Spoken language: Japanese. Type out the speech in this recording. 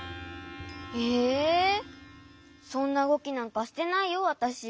えそんなうごきなんかしてないよわたし。